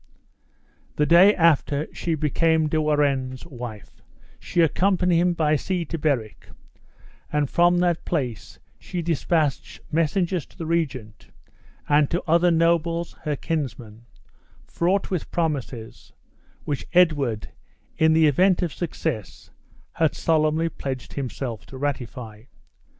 The day after she became De Warenne's wife, she accompanied him by sea to Berwick; and from that place she dispatched messengers to the regent, and to other nobles, her kinsmen, fraught with promises, which Edward, in the event of success had solemnly pledged himself to ratify.